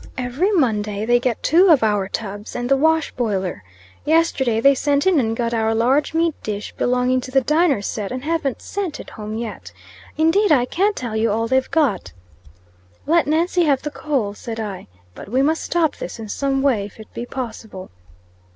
Every Monday they get two of our tubs and the wash boiler. Yesterday they sent in and got our large meat dish belonging to the dinner set, and haven't sent it home yet. Indeed, I can't tell you all they've got." "Let Nancy have the coal," said I. "But we must stop this in some way, if it be possible."